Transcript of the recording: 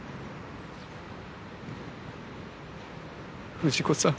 藤子さん。